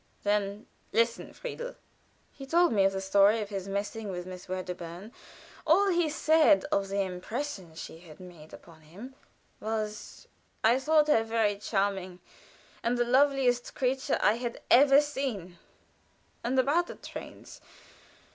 "Then listen, Friedel." He told me the story of his meeting with Miss Wedderburn. All he said of the impression she had made upon him was: "I thought her very charming, and the loveliest creature I had ever seen. And about the trains.